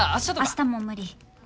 明日も無理。